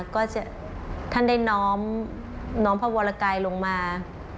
ก็ท่านได้น้อมน้อมพระวรกายลงมา